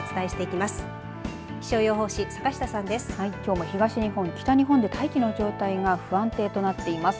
きょうも東日本、北日本で大気の状態が不安定となっています。